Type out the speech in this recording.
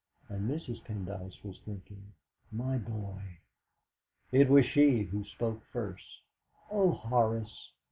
and Mrs. Pendyce was thinking: 'My boy!' It was she who spoke first. "Oh, Horace!"